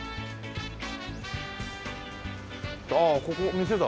ああここ店だ。